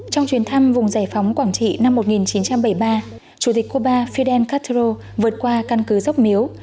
trong chuyến thăm vùng giải phóng quảng trị năm một nghìn chín trăm bảy mươi ba chủ tịch cuba fidel castro vượt qua căn cứ dốc miếu